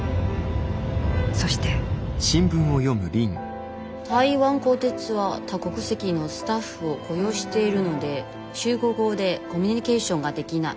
そして「台灣高鐵は多国籍のスタッフを雇用しているので中国語でコミュニケーションができない。